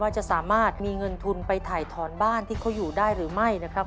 จะสามารถมีเงินทุนไปถ่ายถอนบ้านที่เขาอยู่ได้หรือไม่นะครับ